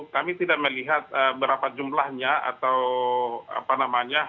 kami tidak melihat berapa jumlahnya atau apa namanya